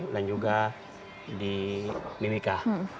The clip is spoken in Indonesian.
dan juga di mimika